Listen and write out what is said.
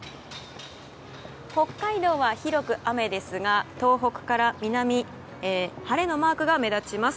北海道は広く雨ですが東北から南は晴れのマークが目立ちます。